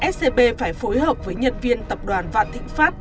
scb phải phối hợp với nhân viên tập đoàn vạn thịnh pháp